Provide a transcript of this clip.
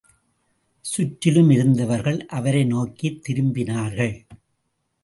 சுற்றிலும் இருந்தவர்கள் அவரை நோக்கித் திரும்பினார்கள்.